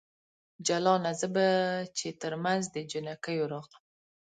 جلانه ! زه به چې ترمنځ د جنکیو راغلم